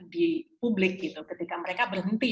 di publik gitu ketika mereka berhenti